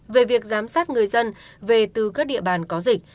về việc giám sát người dân về từ các địa bàn có dịch